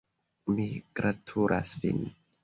Mi gratulas vin!